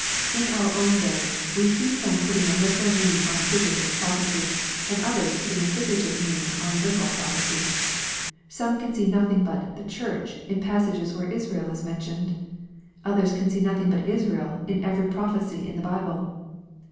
In our own day we see some putting a literal meaning on figurative prophecy, and others putting a figurative meaning on literal prophecy. — Some can see nothing but " the Church" in passages where Israel is mentioned. Others can see nothing but Israel in every prophecy in the Bible.